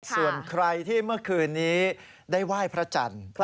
ส่วนใครที่เมื่อคืนนี้ได้ไหว้พระจันทร์